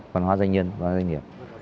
văn hóa doanh nhân văn hóa doanh nghiệp